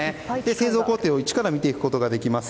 製造工程を一から見ていくことができます。